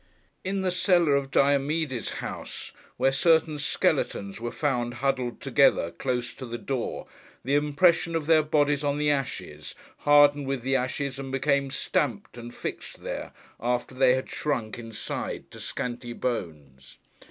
In the cellar of Diomede's house, where certain skeletons were found huddled together, close to the door, the impression of their bodies on the ashes, hardened with the ashes, and became stamped and fixed there, after they had shrunk, inside, to scanty bones.